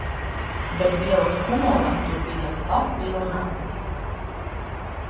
Bet vielas humoram tur bija papilnam.